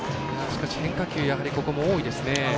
しかし変化球ここも多いですね。